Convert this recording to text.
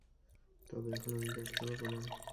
তবে এখন আমি ব্যর্থ হবো না।